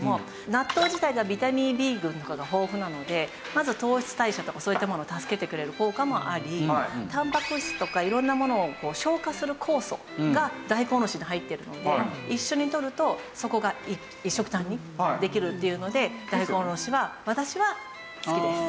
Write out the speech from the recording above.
納豆自体がビタミンＢ群が豊富なのでまず糖質代謝とかそういったものを助けてくれる効果もありたんぱく質とか色んなものを消化する酵素が大根おろしに入ってるので一緒にとるとそこが一緒くたにできるっていうので大根おろしは私は好きです。